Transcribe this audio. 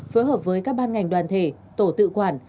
phối hợp với các ban ngành đoàn thể tổ tự quản